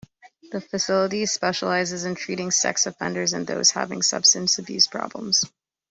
The facility specializes in treating sex offenders and those having substance abuse problems.